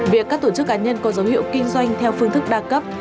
việc các tổ chức cá nhân có dấu hiệu kinh doanh theo phương thức đa cấp